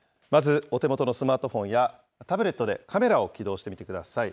まずお手元のスマートフォンやタブレットでカメラを起動してみてください。